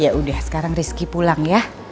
yaudah sekarang rizky pulang ya